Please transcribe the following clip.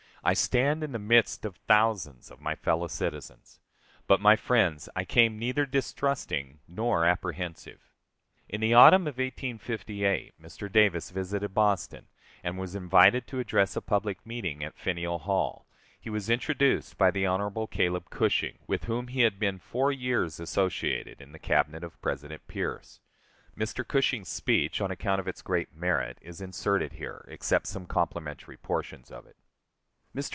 I stand in the midst of thousands of my fellow citizens. But, my friends, I came neither distrusting nor apprehensive.... In the autumn of 1858 Mr. Davis visited Boston, and was invited to address a public meeting at Faneuil Hall. He was introduced by the Hon. Caleb Cushing, with whom he had been four years associated in the Cabinet of President Pierce. Mr. Cushing's speech, on account of its great merit, is inserted here, except some complimentary portions of it. Mr.